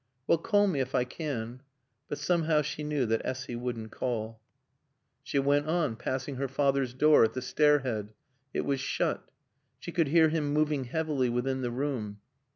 "Well, call me if I can." But somehow she knew that Essy wouldn't call. She went on, passing her father's door at the stair head. It was shut. She could hear him moving heavily within the room.